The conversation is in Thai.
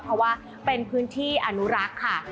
เพราะว่าเป็นพื้นที่อนุรักษ์ค่ะ